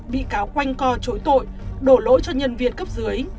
bị cáo quanh co chối tội đổ lỗi cho nhân viên cấp dưới